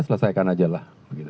selesaikan aja lah